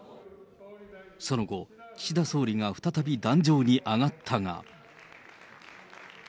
その後、岸田総理が再び壇上に上がったが。